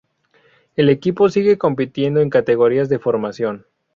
El equipo sigue compitiendo en categorías de formación.